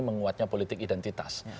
menguatnya politik identitas